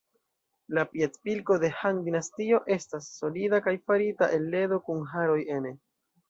La piedpilko de Han-dinastio estas solida kaj farita el ledo kun haroj ene.